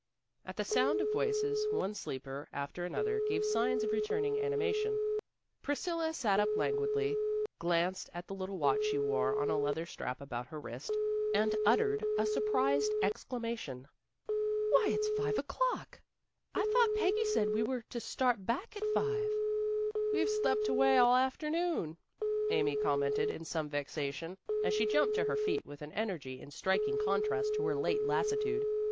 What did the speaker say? At the sound of voices, one sleeper after another gave signs of returning animation. Priscilla sat up languidly, glanced at the little watch she wore on a leather strap about her wrist, and uttered a surprised exclamation. "Why, it's five o'clock! I thought Peggy said we were to start back at five." "We've slept away all the afternoon," Amy commented in some vexation, as she jumped to her feet with an energy in striking contrast to her late lassitude.